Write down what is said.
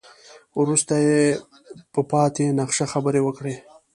وروسته يې په پاتې نخشه خبرې وکړې.